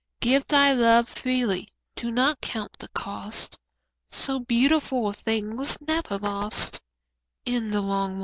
Give thy love freely; do not count the cost; So beautiful a thing was never lost In the long run.